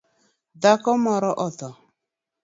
Dhako moro otho